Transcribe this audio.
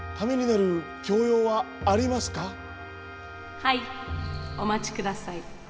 はいお待ちください。